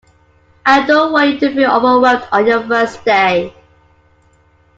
I don't want you to feel overwhelmed on your first day.